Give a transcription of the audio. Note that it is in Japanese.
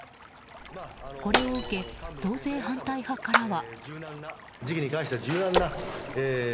これを受け、増税反対派からは。